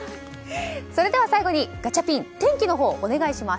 それでは最後にガチャピン天気をお願いします。